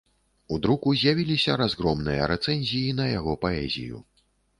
У друку з'явіліся разгромныя рэцэнзіі на яго паэзію.